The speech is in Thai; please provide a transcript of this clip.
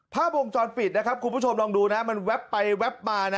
ภาพวงก์จรปิดคุณผู้ชมลองดูมันแว็บไปแว็บมา